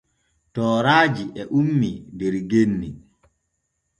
Tooraaji e ummii der genni.